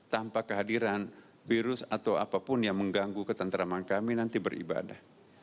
tanpa kehadiran virus atau apapun yang mengganggu ketentraman kami nanti beribadah